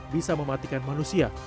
bisa mematikan manusia